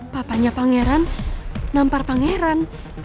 papanya pangeran nampar pangeran